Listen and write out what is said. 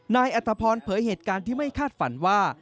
นายอัตภพรเผยเหตุการณ์ที่ไม่คาดฝันว่า